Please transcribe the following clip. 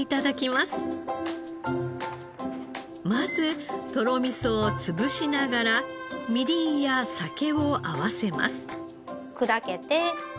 まずとろみそを潰しながらみりんや酒を合わせます。